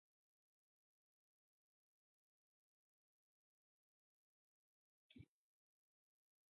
جس کسی نے بھی اگر ایسی پاکیزہ محبت کی ہوگی وہ افضل کے کریکٹر سے بخوبی لطف اندوز ہو رہا ہوگا